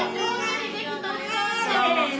せの！